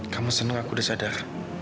kamu senang aku udah sadar